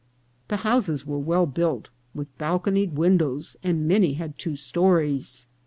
The houses were well built, with balconied M E R I D A. 397 windows, and many had two stories.